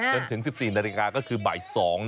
จนไป๑๐นาฬกาศก็คือบ่าย๒